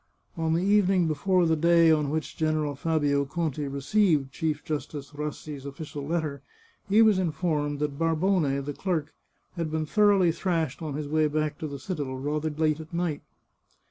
On the evening before the day on which General Fabio Conti received Chief Justice Rassi's official letter he was informed that Barbone, the clerk, had been thoroughly thrashed on his way back to the citadel, rather late at night.